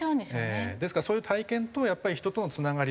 ですからそういう体験とやっぱり人とのつながり